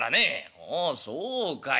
「ああそうかい。